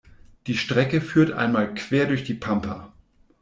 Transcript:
Die Strecke führt einmal quer durch die Pampa.